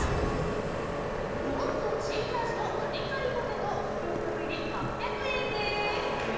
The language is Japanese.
とろっとチーズ味のカリカリポテト６袋入り８００円です。